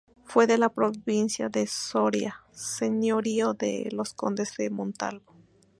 Fue de la Provincia de Soria, señorío de los condes de Montalvo.